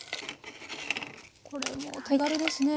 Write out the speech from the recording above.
これもう手軽ですね。